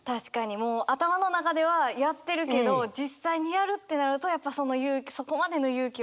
もう頭の中ではやってるけど実際にやるってなるとそこまでの勇気はないわっていう。